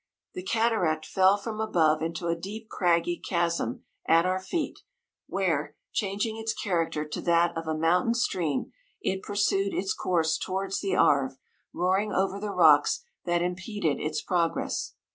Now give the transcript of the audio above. The cataract fell from above into a deep craggy chasm at our feet, where, changing its character to that of a mountain stream, it pursued its course towards the Arve, roaring over the rocks that impeded its progress.